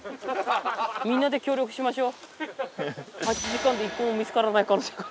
みんなで協力しましょ。